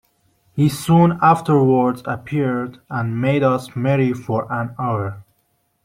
He soon afterwards appeared and made us merry for an hour.